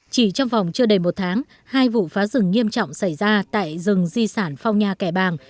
chỉ trong vòng chưa đầy một tháng hai vụ phá rừng nghiêm trọng xảy ra tại rừng di sản phong nha kẻ bàng